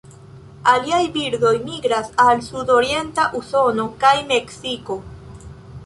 Aliaj birdoj migras al sudorienta Usono kaj Meksiko.